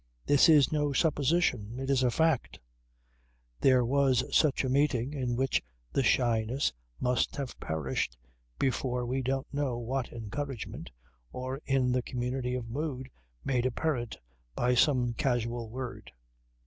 This is no supposition. It is a fact. There was such a meeting in which the shyness must have perished before we don't know what encouragement, or in the community of mood made apparent by some casual word.